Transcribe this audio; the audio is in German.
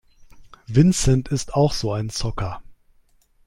Vincent ist auch so ein Zocker.